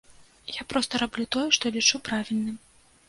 Я проста раблю тое, што лічу правільным.